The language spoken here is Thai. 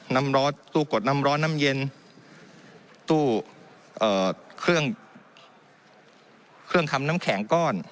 น้ำร้อนตู้กดน้ำร้อนน้ำเย็นตู้เครื่องเครื่องทำน้ำแข็งก้อน